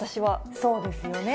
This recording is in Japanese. そうですよね。